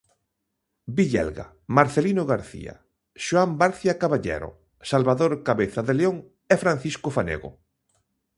Villelga, Marcelino García, Xoán Barcia Caballero, Salvador Cabeza de León e Francisco Fanego.